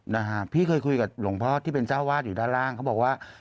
นะฮะพี่เคยคุยกับหลวงพ่อที่เป็นเจ้าวาดอยู่ด้านล่างเขาบอกว่า